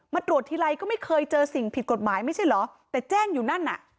ตรวจทีไรก็ไม่เคยเจอสิ่งผิดกฎหมายไม่ใช่เหรอแต่แจ้งอยู่นั่นน่ะ